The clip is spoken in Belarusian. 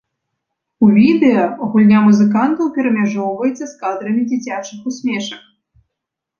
У відэа гульня музыкантаў перамяжоўваецца з кадрамі дзіцячых усмешак.